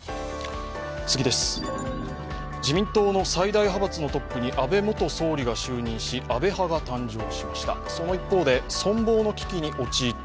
自民党の最大派閥のトップに安倍元総理が就任し、安倍派が誕生しました。